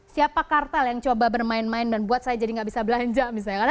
siapa kartel yang coba bermain main dan buat saya jadi nggak bisa belanja misalnya